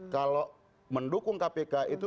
kalau mendukung kpk itu